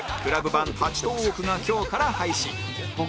版立ちトーークが今日から配信